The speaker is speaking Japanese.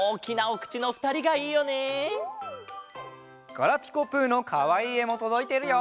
ガラピコぷのかわいいえもとどいてるよ。